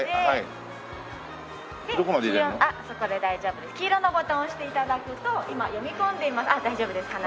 そこで大丈夫です。